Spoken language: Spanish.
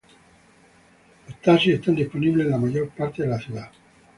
Los taxis están disponibles en la mayor parte de la ciudad.